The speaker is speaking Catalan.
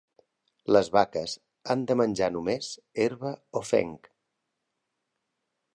Les vaques han de menjar només herba o fenc.